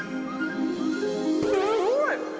すごい！